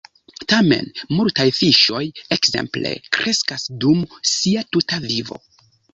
Tamen multaj fiŝoj ekzemple kreskas dum sia tuta vivo.